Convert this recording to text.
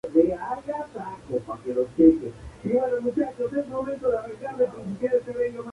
Pertenece al Municipio Cruz Salmerón Acosta.